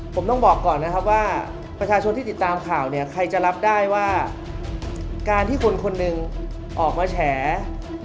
ผมต้องบอกก่อนนะครับว่าประชาชนที่ติดตามข่าวเนี่ยใครจะรับได้ว่าการที่คนคนหนึ่งออกมาแฉ